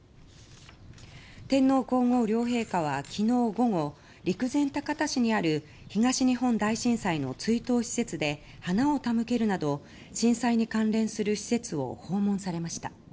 天皇・皇后両陛下は昨日午後、陸前高田市にある東日本大震災の追悼施設で花を手向けるなど震災に関連する施設を訪問されました。